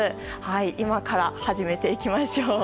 今から始めていきましょう。